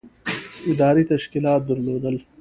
ادارې تشکیلات درلودل.